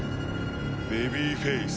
ベビーフェース。